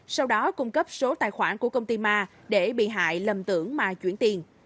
sau đó cung cấp số tài khoản của công ty ma để bị hại lầm tưởng mà chuyển tiền